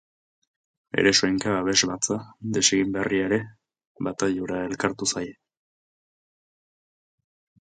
Eresoinka abesbatza desegin berria ere bataiora elkartu zaie.